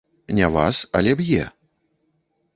Не вас, але б'е?